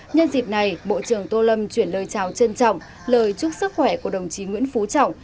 nhân dịp này bộ trưởng tô lâm chuyển lời chào trân trọng lời chúc sức khỏe của đồng chí nguyễn phú trọng